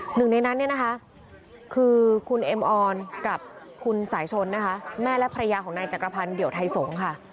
หนึ่งในนั้นเนี่ยนะคะคือคุณเอ็มออนกับคุณสายชนนะคะแม่และภรรยาของนายจักรพันธ์เดี่ยวไทยสงฆ์ค่ะ